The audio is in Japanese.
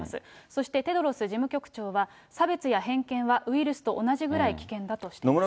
そしてテドロス事務局長は、差別や偏見はウイルスと同じぐらい危険だとしています。